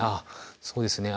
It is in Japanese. そうですね。